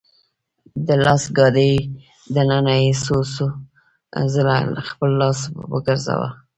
د لاس ګاډي دننه يې څو څو ځله خپل لاس وګرځاوه .